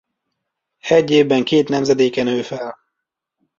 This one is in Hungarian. Egy évben két nemzedéke nő fel.